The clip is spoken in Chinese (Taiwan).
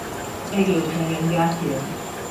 被有錢人家嫌